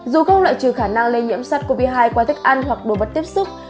dù không loại trừ khả năng lây nhiễm sars cov hai qua thức ăn hoặc đồ vật tiếp xúc